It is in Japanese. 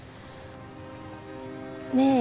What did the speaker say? ねえ。